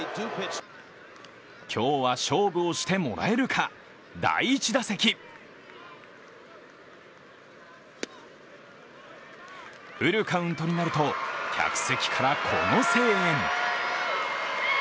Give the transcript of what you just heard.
今日は勝負をしてもらえるか、第１打席フルカウントになると、客席からこの声援。